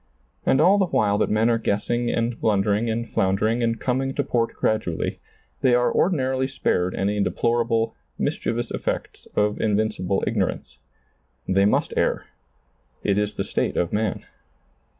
And all the while that men are guessing and blundering and floundering and coming to port gradually, they are ordinarily spared any deplorable, mischievous effects of invincible ignorance. They must err. It is the state of man.